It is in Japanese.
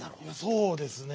そうですねぇ。